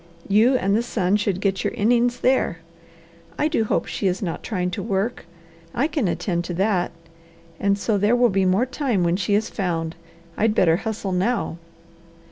You and the sun should get your innings there. I do hope she is not trying to work! I can attend to that; and so there will be more time when she is found, I'd better hustle now."